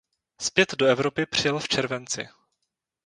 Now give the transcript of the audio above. Zpět do Evropy přijel v červenci.